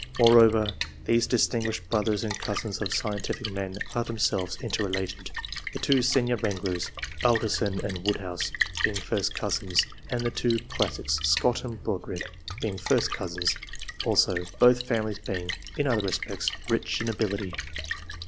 Moreover, these distinguished brothers and cousins of scientific men are themselves inter related ; the two senior wranglers, Alderson and Woodhouse, being first cousins, and the two classics, Scott and Brodrick, being first cousins also ; both families being, in other respects^ rich in ability.